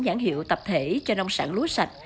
nhãn hiệu tập thể cho nông sản lúa sạch